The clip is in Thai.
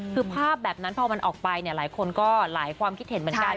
คือภาพแบบนั้นพอมันออกไปเนี่ยหลายคนก็หลายความคิดเห็นเหมือนกัน